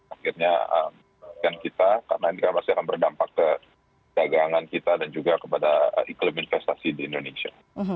akhirnya kita karena ini kan masih akan berdampak ke dagangan kita dan juga kepada iklim investasi di indonesia